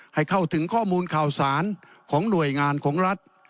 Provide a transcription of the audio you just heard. ให้เข้าถึงข้อมูลข่าวสารของหน่วยงานของรัฐ